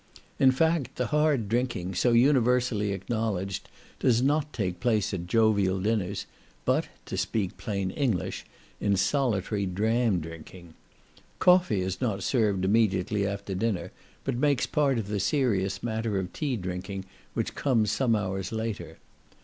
In fact, the hard drinking, so universally acknowledged, does not take place at jovial dinners, but, to speak plain English, in solitary dram drinking. Coffee is not served immediately after dinner, but makes part of the serious matter of tea drinking, which comes some hours later.